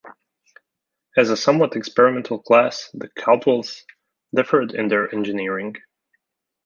As a somewhat experimental class, the "Caldwell"s differed in their engineering.